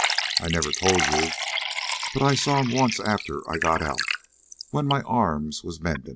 I never told you, but I saw 'm once after I got out when my arms was mendin'.